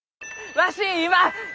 わし今！